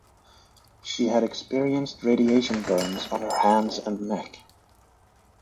She had experienced radiation burns on her hands and neck.